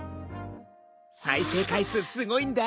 再生回数すごいんだ。